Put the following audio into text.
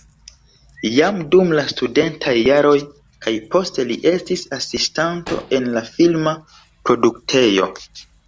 Jam dum la studentaj jaroj kaj poste li estis asistanto en la filma produktejo.